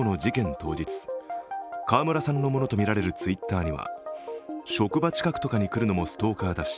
当日川村さんのものとみられるＴｗｉｔｔｅｒには職場近くとかに来るのもストーカーだし